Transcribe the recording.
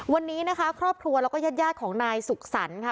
วันนี้นะคะครอบครัวแล้วก็ญาติของนายสุขสรรค์ค่ะ